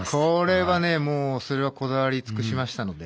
もうそれはこだわりつくしましたので。